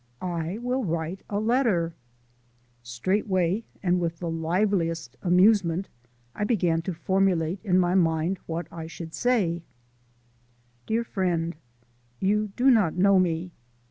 "I will write a letter!" Straightway and with the liveliest amusement I began to formulate in my mind what I should say: Dear Friend: You do not know me.